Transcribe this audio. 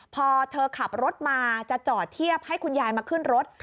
พอเธอขับรถมาจะจอดเทียบให้คุณยายมาขึ้นรถ